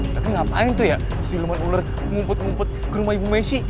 tapi ngapain tuh ya si lumer ular ngumput ngumput ke rumah ibu messi